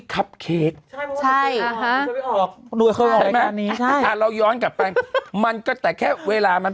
ใช่ค่ะเคยออกใช่ไหมแต่เราย้อนกลับไปมันก็แค่แค่เวลามี